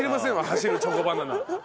走るチョコバナナ。